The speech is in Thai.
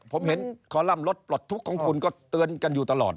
ผมเห็นคอลัมป์รถปลดทุกข์ของคุณก็เตือนกันอยู่ตลอด